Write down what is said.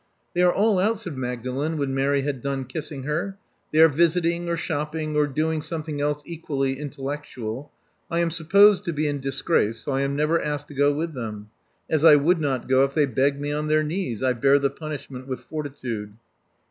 They are all out," said Magdalen when Mary had done kissing her. They are visiting, or shopping, or doing something else equally intellectual. I am supposed to be in disgrace ; so I am never asked to go with them. As I would not go if they begged me on their knees, I bear the punishment with fortitude."